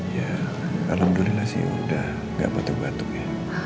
ya alhamdulillah sih udah gak batuk batuk ya